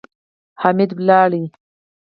حميد ولاړ و.